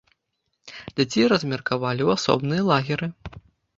Дзяцей размеркавалі ў асобныя лагеры.